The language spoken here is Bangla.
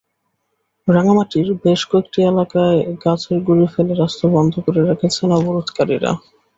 রাঙামাটির বেশ কয়েকটি এলাকায় গাছের গুঁড়ি ফেলে রাস্তা বন্ধ করে রেখেছেন অবরোধকারীরা।